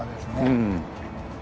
うん。